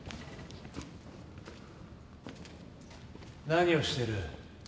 何をしてる？